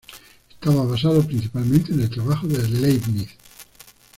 Estaba basado principalmente en el trabajo de Leibniz.